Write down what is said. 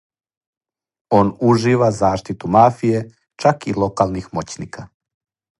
Он ужива заштиту мафије, чак и локалних моћника.